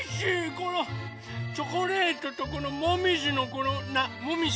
このチョコレートとこのもみじのもみじ